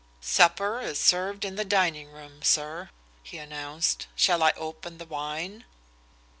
"Supper is served in the dining room, sir," he announced. "Shall I open the wine?"